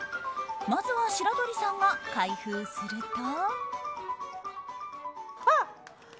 まずは白鳥さんが開封すると。